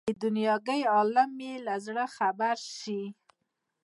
د دنیاګۍ عالم یې له زړه خبر شي.